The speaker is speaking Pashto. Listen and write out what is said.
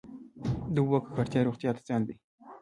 د اوبو ککړتیا روغتیا ته زیان دی.